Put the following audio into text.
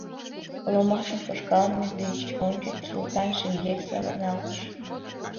Ломашым тошкалме деч ончыч Султан шеҥгек савырналтыш.